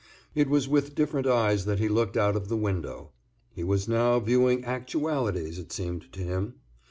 It was with different eyes that he looked out of the window. He was now viewing actualities, it seemed to him.